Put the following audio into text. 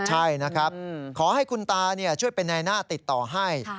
ใช่นะครับขอให้คุณตาช่วยเป็นในหน้าติดต่อให้